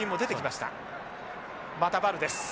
またヴァルです。